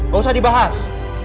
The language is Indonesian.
gak usah dibahas